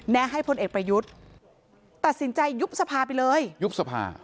ให้พลเอกประยุทธ์ตัดสินใจยุบสภาไปเลยยุบสภา